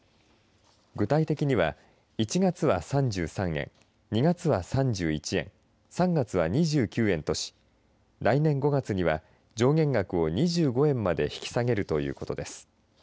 具体的には、１月は３３円２月は３１円３月は２９円とし来年５月には上限額を２５円まで引き下げるということです。